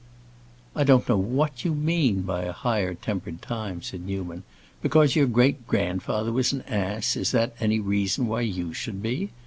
"I don't know what you mean by a higher tempered time," said Newman. "Because your great grandfather was an ass, is that any reason why you should be?